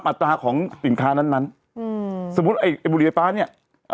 อะไรอย่างเนี่ย